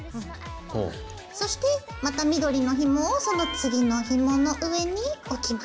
そしてまた緑のひもをその次のひもの上に置きます。